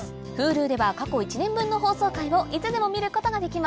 Ｈｕｌｕでは過去１年分の放送回をいつでも見ることができます